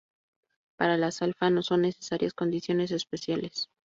Para las alfa no son necesarias condiciones especiales.